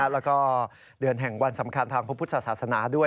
แล้วก็เดือนแห่งวันสำคัญทางพระพุทธศาสนาด้วย